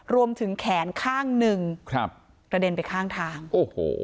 รวมถึงแขนข้างหนึ่งครับกระเด็นไปข้างทางโอ้โห